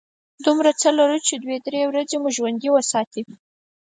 دومره څه لرو چې دوې – درې ورځې مو ژوندي وساتي.